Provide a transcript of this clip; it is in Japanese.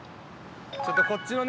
ちょっとこっちのね